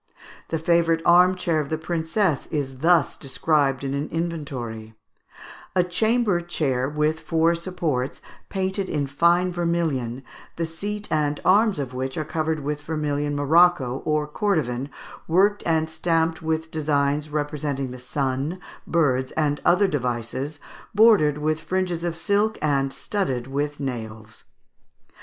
The favourite arm chair of the princess is thus described in an inventory: "A chamber chair with four supports, painted in fine vermilion, the seat and arms of which are covered with vermilion morocco, or cordovan, worked and stamped with designs representing the sun, birds, and other devices, bordered with fringes of silk and studded with nails."